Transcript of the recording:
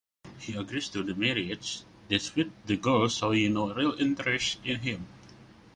He agrees to the marriage despite the girl showing no real interest in him.